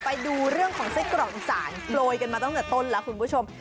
ไปดูเรื่องของไส้กรอกอีสานโปรยกันมาตั้งแต่ต้นแล้วคุณผู้ชม